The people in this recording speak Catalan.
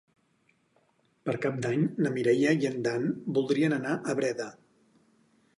Per Cap d'Any na Mireia i en Dan voldrien anar a Breda.